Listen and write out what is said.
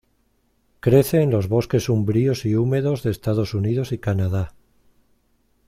Crece en los bosques umbríos y húmedos de Estados Unidos y Canadá.